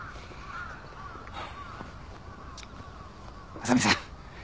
浅見さん。